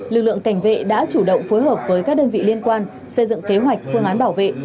lực lượng cảnh vệ đã chủ động phối hợp với các đơn vị liên quan xây dựng kế hoạch phương án bảo vệ